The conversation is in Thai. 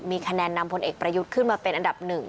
มีคะแนนนำพลเอกประยุทธ์ขึ้นมาเป็นอันดับ๑